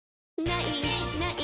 「ない！ない！